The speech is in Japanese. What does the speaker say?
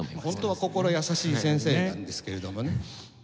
ホントは心優しい先生なんですけれどもね。